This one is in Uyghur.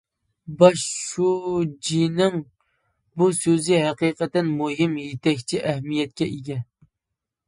باش شۇجىنىڭ بۇ سۆزى ھەقىقەتەن مۇھىم يېتەكچى ئەھمىيەتكە ئىگە.